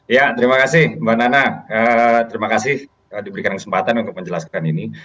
ya terima kasih mbak nana terima kasih diberikan kesempatan untuk menjelaskan ini